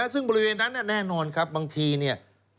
ซึ่งบริเวณนั้นแน่นอนครับบางทีเนี่ย